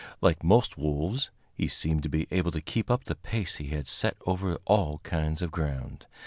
Like most wolves, he seemed to be able to keep up the pace he had set over all kinds of ground.